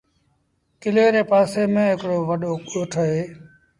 ڪلي ري پآسي ميݩ هڪڙو وڏو ڳوٺ اهي۔